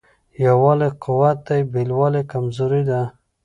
یووالی قوت دی بېلوالی کمزوري ده.